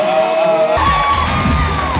โอเค